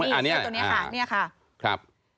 อันนี้ค่ะ